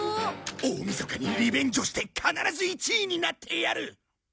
大みそかにリベンジョして必ず１位になってやる！